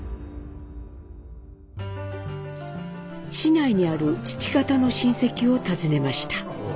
市内にある父方の親戚を訪ねました。